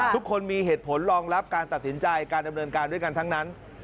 ทุกคนมีเหตุผลรองรับการตัดสินใจการดำเนินการด้วยกันทั้งนั้น